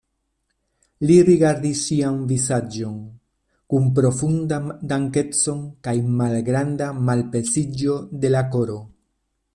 Li rigardis ŝian vizaĝon kun profunda dankeco kaj granda malpeziĝo de la koro.